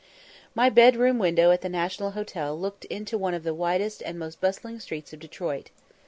My bed room window at the National Hotel looked into one of the widest and most bustling streets of Detroit.